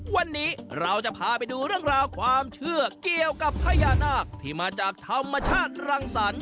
วันนี้เราจะพาไปดูเรื่องราวความเชื่อเกี่ยวกับพญานาคที่มาจากธรรมชาติรังสรรค